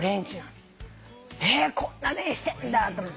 こんな目してんだと思って。